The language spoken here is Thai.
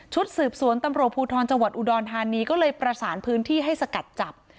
สืบสวนตำรวจภูทรจังหวัดอุดรธานีก็เลยประสานพื้นที่ให้สกัดจับ